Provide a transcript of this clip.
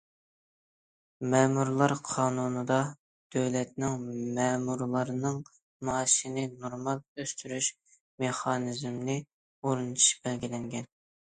مەمۇرلار قانۇنىدا، دۆلەتنىڭ مەمۇرلارنىڭ مائاشىنى نورمال ئۆستۈرۈش مېخانىزمىنى ئورنىتىشى بەلگىلەنگەن.